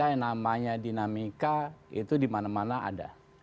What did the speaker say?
yang namanya dinamika itu dimana mana ada